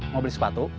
mau beli sepatu